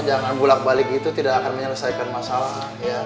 jangan bulat balik itu tidak akan menyelesaikan masalah ya